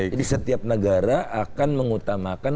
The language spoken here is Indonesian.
setiap negara akan mengutamakan